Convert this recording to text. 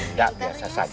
enggak biasa saja